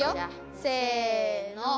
せの。